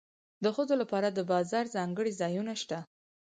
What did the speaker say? د ښځو لپاره د بازار ځانګړي ځایونه شته